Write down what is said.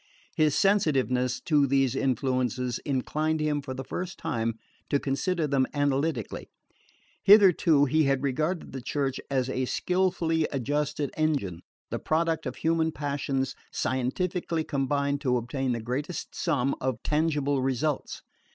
His sensitiveness to these influences inclined him for the first time to consider them analytically. Hitherto he had regarded the Church as a skilfully adjusted engine, the product of human passions scientifically combined to obtain the greatest sum of tangible results.